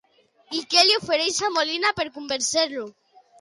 I què li ofereix a Molina per convèncer-lo?